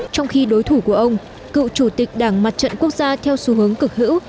trong khi đối thủ của ông cựu chủ tịch đảng mặt trận quốc gia theo xu hướng cực hữu